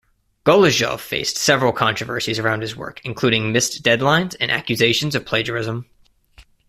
Golijov faced several controversies around his work, including missed deadlines and accusations of plagiarism.